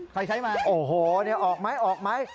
ใครใช้มาโอ้โหออกไหมออกไหม